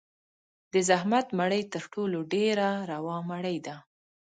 د زحمت مړۍ تر ټولو ډېره روا مړۍ ده.